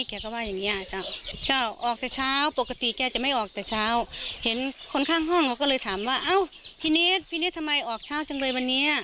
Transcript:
แกก็ว่าอย่างนี้เจ้าออกแต่เช้าปกติแกจะไม่ออกแต่เช้าเห็นคนข้างห้องเขาก็เลยถามว่าเอ้าพี่นิดพี่นิดทำไมออกเช้าจังเลยวันนี้